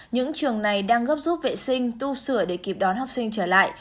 những trường này đang gấp rút vệ sinh tu sửa để kịp đón học sinh trở lại